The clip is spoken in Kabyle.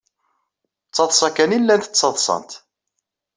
D taḍsa kan ay llant ttaḍsant.